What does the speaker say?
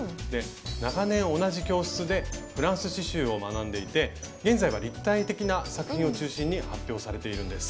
長年同じ教室でフランス刺しゅうを学んでいて現在は立体的な作品を中心に発表されているんです。